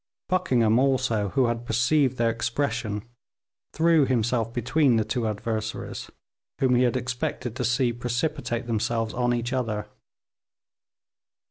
Buckingham, also, who had perceived their expression, threw himself between the two adversaries, whom he had expected to see precipitate themselves on each other.